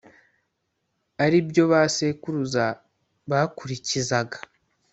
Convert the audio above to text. ari byo ba sekuruza bakurikizaga